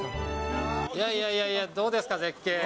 いやいやいや、どうですか、絶景？